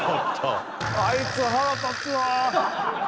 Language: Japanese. あいつ腹立つわぁ！